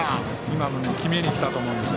今のは決めにきたと思います。